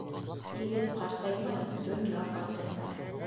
Егет ҡартаймай, донъя ҡартайта.